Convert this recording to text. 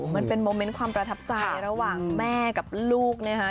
มันเป็นโมเมนต์ความประทับใจระหว่างแม่กับลูกนะคะ